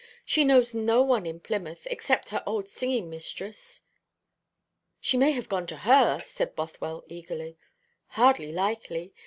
She knows no one in Plymouth except her old singing mistress." "She may have gone to her," said Bothwell eagerly. "Hardly likely.